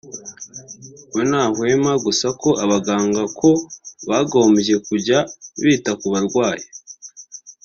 we ntahwema gusa ko abaganga ko bagombye kujya bita ku barwayi